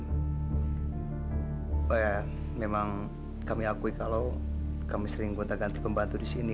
ya memang kami akui kalau kami sering gonta ganti pembantu di sini